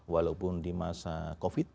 walaupun di masa covid